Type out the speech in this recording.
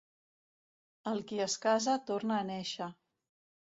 El qui es casa torna a néixer.